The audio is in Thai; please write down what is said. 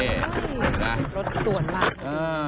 โอ้โหลดสวนมาก